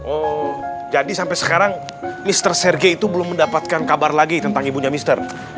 oh jadi sampai sekarang mr serge itu belum mendapatkan kabar lagi tentang ibunya mr